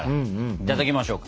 いただきましょう。